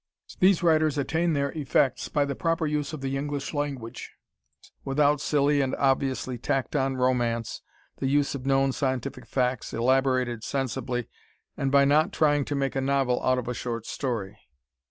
These writers attain their effects by the proper use of the English language, without silly and obviously tacked on romance, the use of known scientific facts elaborated sensibly and by not trying to make a novel out of a short story.